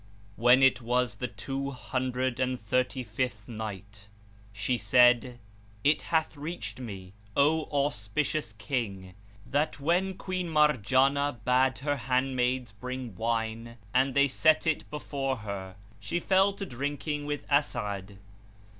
When it was the Two Hundred and Thirty fifth Night, She said, It hath reached me, O auspicious King, that when Queen Marjanah bade her handmaids bring wine and they set it before her, she fell to drinking with As'ad.